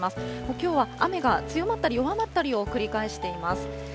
きょうは雨が強まったり弱まったりを繰り返しています。